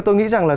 tôi nghĩ rằng là